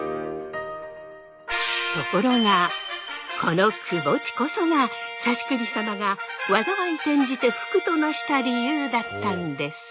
ところがこのくぼ地こそが指首様が災い転じて福となした理由だったんです。